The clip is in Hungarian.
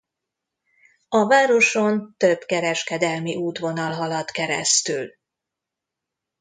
A városon több kereskedelmi útvonal halad keresztül.